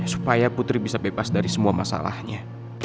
supaya putri bisa bebas dari semua masalahnya